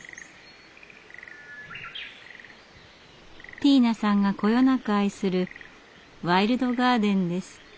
ティーナさんがこよなく愛するワイルドガーデンです。